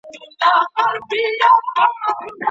د بهرنیو اړیکو لخوا د افغانانو حقونه نه په پام کي نیول کیږي.